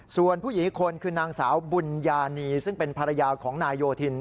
ส่วนผู้หญิงอีกคนคือนางสาวบุญญานีซึ่งเป็นภรรยาของนายโยธิน